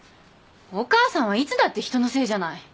お母さんはいつだって人のせいじゃない。